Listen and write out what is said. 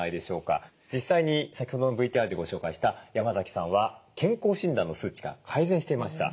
実際に先ほどのＶＴＲでご紹介した山崎さんは健康診断の数値が改善していました。